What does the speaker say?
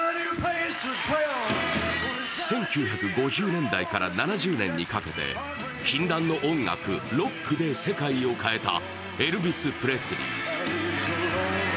１９５０年代から７０年にかけて禁断の音楽・ロックで世界を変えたエルヴィス・プレスリー。